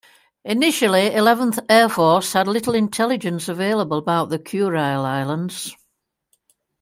Initially Eleventh Air Force had little intelligence available about the Kurile Islands.